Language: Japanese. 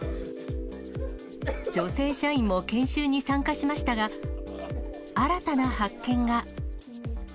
女性社員も研修に参加しましたが、新たな発見が。